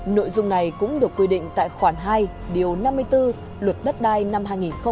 nội dung này cũng được quy định tại khoản hai điều năm mươi bốn luật đất đai năm hai nghìn một mươi bốn